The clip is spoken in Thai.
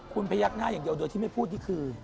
คุณพยักหน้าอย่างเดียวโดยที่ไม่พูดนี่คือ